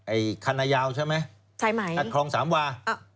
ไอ้คณะยาวใช่ไหมใช่ไหมคลองสามวา